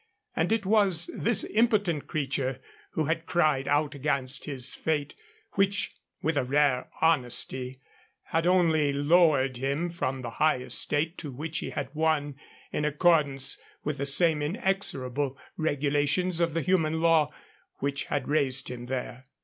And it was this impotent creature who had cried out against his fate, which, with a rare honesty, had only lowered him from the high estate to which he had won, in accordance with the same inexorable regulations of the human law which had raised him there.